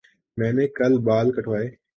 میں نے کل بال کٹوائے